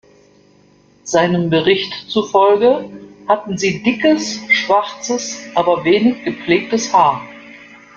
Seinem Bericht zufolge hatten sie dickes, schwarzes, aber wenig gepflegtes Haar.